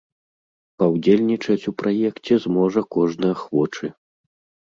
Паўдзельнічаць у праекце зможа кожны ахвочы.